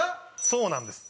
そうなんです。